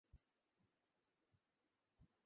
এখানে, ভবিষ্যতের উদ্দেশ্যে।